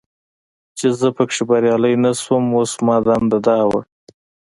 چې زه پکې بریالی نه شوم، اوس زما دنده دا وه.